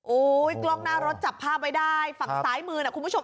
กล้องหน้ารถจับภาพไว้ได้ฝั่งซ้ายมือนะคุณผู้ชม